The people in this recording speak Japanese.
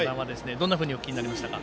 どのようにお聞きになりましたか。